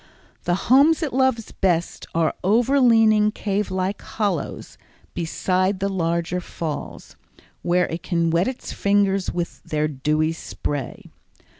The homes it loves best are over leaning, cave like hollows, beside the larger falls, where it can wet its fingers with their dewy spray.